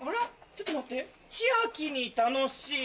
ちょっと待って千秋に「楽しい」。